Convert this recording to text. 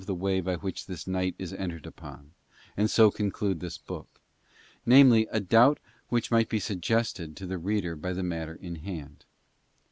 45 the way by which this night is entered upon, and so conclude this book—namely, a doubt which might be suggested to the reader by the matter in hand.